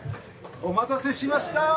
お待たせしました！